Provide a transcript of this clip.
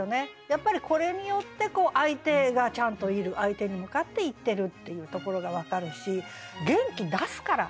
やっぱりこれによって相手がちゃんといる相手に向かって言ってるっていうところが分かるし「元気出すから」。